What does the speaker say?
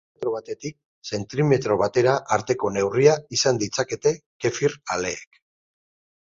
Milimetro batetik zentimetro batera arteko neurria izan ditzakete kefir aleek.